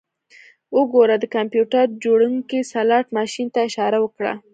وګوره د کمپیوټر جوړونکي سلاټ ماشین ته اشاره وکړه